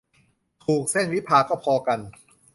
ถูก เส้นวิภาก็พอกัน